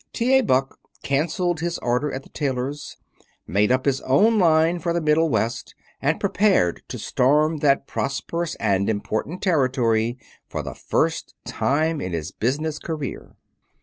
T. A. Buck canceled his order at the tailor's, made up his own line for the Middle West, and prepared to storm that prosperous and important territory for the first time in his business career.